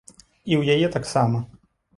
І ў яе таксама.